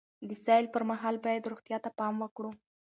د سیل پر مهال باید روغتیا ته پام وکړو.